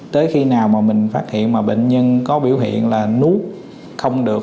tới khi nào mà mình phát hiện mà bệnh nhân có biểu hiện là nút không được